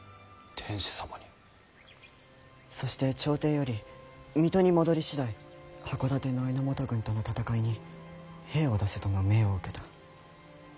そして朝廷より水戸に戻り次第箱館の榎本軍との戦いに兵を出せとの命を受けた。